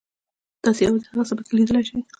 تاسو یوازې هغه څه پکې لیدلی شئ.